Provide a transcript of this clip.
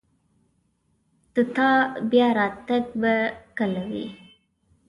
د تا بیا راتګ به کله وي